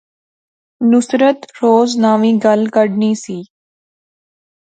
نصرت روز ناوی گل کھڈنی سی